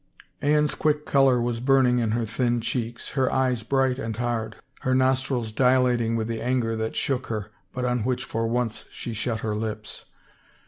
Anne's quick color was burning in her thin cheeks, her eyes bright and hard, her nostrils dilating with the anger that shook her but on which for once she shut her lips.